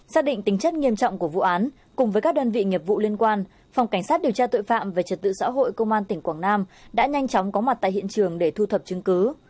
xác định tính chất nghiêm trọng của vụ án cùng với các đơn vị nghiệp vụ liên quan phòng cảnh sát điều tra tội phạm về trật tự xã hội công an tỉnh quảng nam đã nhanh chóng có mặt tại hiện trường để thu thập chứng cứ